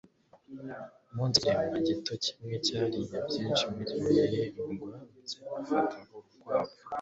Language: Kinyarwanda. umunsi, ikiremwa gito kimwe cyariye byinshi mubihingwa bye. afata urukwavu